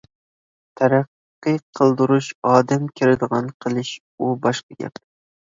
تەرەققىي قىلدۇرۇش، ئادەم كىرىدىغان قىلىش ئۇ باشقا گەپ.